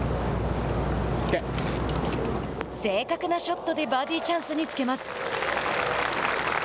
正確なショットでバーディーチャンスにつけます。